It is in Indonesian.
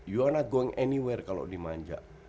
you are not going anywhere kalau dimanja